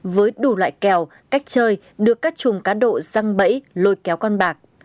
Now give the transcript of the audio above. với đủ loại kèo cách chơi được các chùm cá độ răng bẫy lôi kéo con bạc